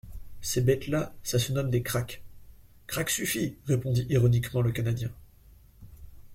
Ces bêtes-là, ça se nomme des krak … —Craque suffit, répondit ironiquement le Canadien.